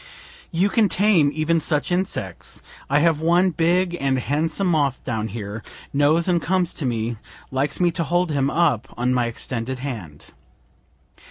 You can tame even such insects; I have one big and handsome moth down here, knows and comes to me, likes me to hold him up on my extended hand.